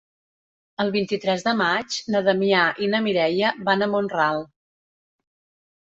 El vint-i-tres de maig na Damià i na Mireia van a Mont-ral.